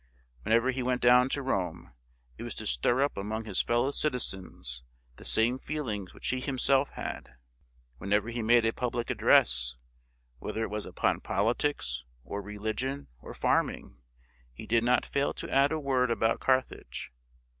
Whenever he went down to Rome, it was to stir up among his fellow citizens the same feelings which he himself had. Whenever he made a public address, whether it was upon politics or religion or farming, he did not fail to add a word about Carthage.